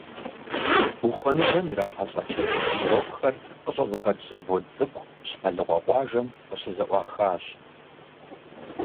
Ухуэныгъэм ирахьэлӏэ чырбыш блокхэр къыщӏэзыгъэкӏ завод цӏыкӏу Щхьэлыкъуэ къуажэм къыщызэӏуахащ.